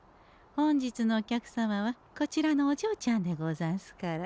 本日のお客様はこちらのおじょうちゃんでござんすから。